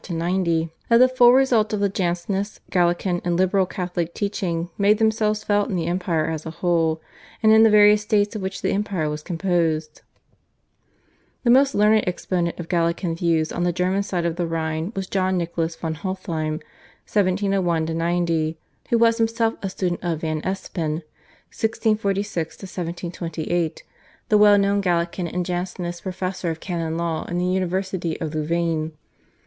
(1765 90), that the full results of the Jansenist, Gallican, and Liberal Catholic teaching made themselves felt in the empire as a whole, and in the various states of which the empire was composed. The most learned exponent of Gallican views on the German side of the Rhine was John Nicholas von Hontheim (1701 90), who was himself a student of Van Espen (1646 1728), the well known Gallican and Jansenist professor of canon law in the University of Louvain.